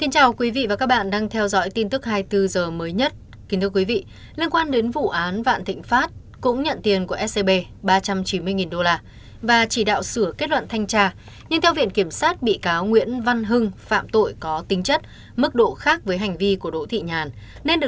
chào mừng quý vị đến với bộ phim hãy nhớ like share và đăng ký kênh của chúng mình nhé